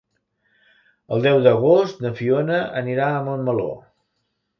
El deu d'agost na Fiona anirà a Montmeló.